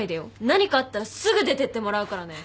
何かあったらすぐ出てってもらうからね。